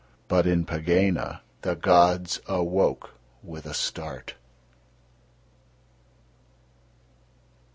But in Pegāna the gods awoke with a start.